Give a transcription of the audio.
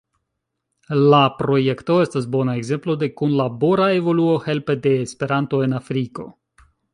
La projekto estas bona ekzemplo de kunlabora evoluo helpe de Esperanto en Afriko.